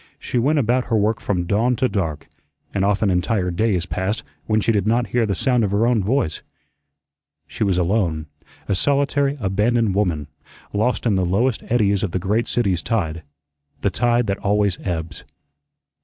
She went about her work from dawn to dark, and often entire days passed when she did not hear the sound of her own voice. She was alone, a solitary, abandoned woman, lost in the lowest eddies of the great city's tide the tide that always ebbs.